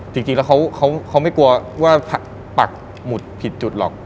จริงแล้วเขาไม่กลัวว่าปักหมุดผิดจุดหรอก